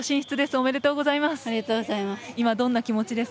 おめでとうございます。